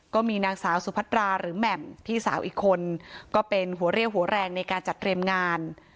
ก็มีนางสาวสุพัตราหรือแหม่มพี่สาวอีกคนก็เป็นหัวเรี่ยวหัวแรงในการจัดเตรียมงาน